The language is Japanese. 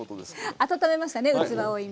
温めましたね器を今。